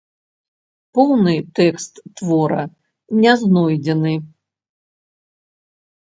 Поўны тэкст твора не знойдзены.